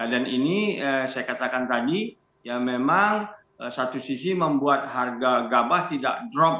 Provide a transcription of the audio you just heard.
dan ini saya katakan tadi ya memang satu sisi membuat harga gabah tidak drop